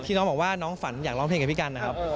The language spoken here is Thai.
น้องบอกว่าน้องฝันอยากร้องเพลงกับพี่กันนะครับ